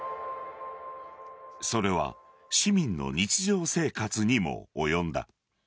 それは市民の日常生活にも及んだ。